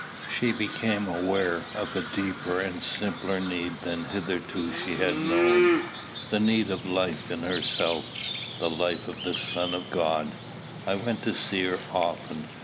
She became aware of a deeper and simpler need than hitherto she had known, the need of life in herself, the life of the Son of God. I went to see her often.